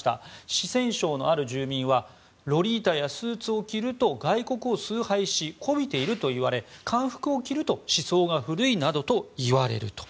四川省のある住民はロリータやスーツを着ると外国を崇拝しこびていると言われ漢服を着ると思想が古いなどと言われると。